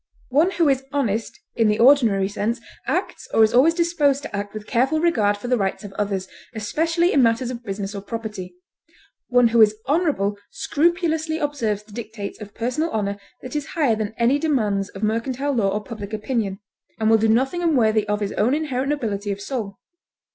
One who is honest in the ordinary sense acts or is always disposed to act with careful regard for the rights of others, especially in matters of business or property; one who is honorable scrupulously observes the dictates of a personal honor that is higher than any demands of mercantile law or public opinion, and will do nothing unworthy of his own inherent nobility of soul.